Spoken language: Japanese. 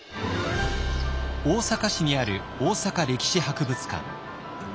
大阪市にある大阪歴史博物館。